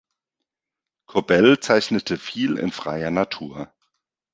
Kobell zeichnete viel in freier Natur.